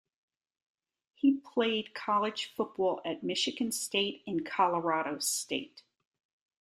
He played college football at Michigan State and Colorado State.